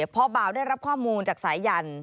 พอบ่าวได้รับข้อมูลจากสายยัน